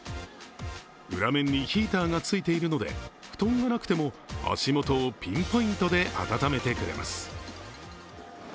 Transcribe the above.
裏面にヒーターがついているので、布団がなくても足元をピンポイントで温めてくれます。